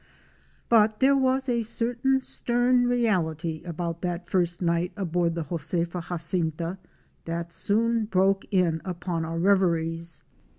But there was a certain stern reality about that first night aboard the "Josefa Jacinta" that soon broke in upon our reveries.